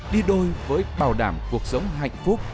đi đôi với bảo đảm cuộc sống hạnh phúc